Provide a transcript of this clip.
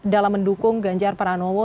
dalam mendukung ganjar pranowo